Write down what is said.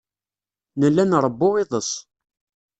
Nella nṛewwu iḍes.